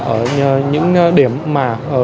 ở những điểm mà